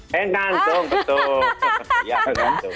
heng ngantung betul